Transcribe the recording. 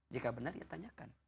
jika benar ya tanyakan